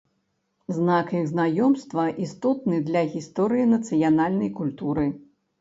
Знак іх знаёмства істотны для гісторыі нацыянальнай культуры.